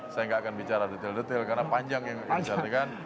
saya gak akan bicara detail detail karena panjang yang bisa kita ceritakan